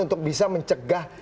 untuk bisa mencegah